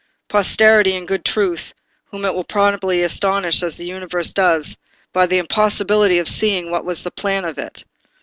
"Posterity in good truth, whom it will probably astonish as the universe does, by the impossibility of seeing what was the plan of it."